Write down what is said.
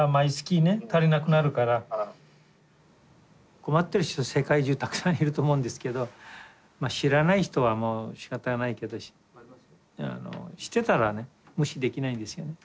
困ってる人世界中たくさんいると思うんですけど知らない人はもうしかたないけど知ってたらね無視できないんですよね。